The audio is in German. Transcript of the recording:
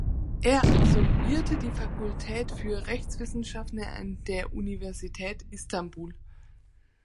Er absolvierte die Fakultät für Rechtswissenschaften an der Universität Istanbul.